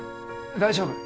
大丈夫！？